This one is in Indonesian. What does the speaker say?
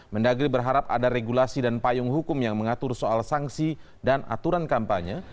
mendagri berharap ada regulasi dan payung hukum yang mengatur soal sanksi dan aturan kampanye